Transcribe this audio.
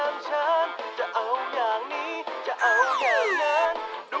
ผมได้ยินไม่ถนัดเลย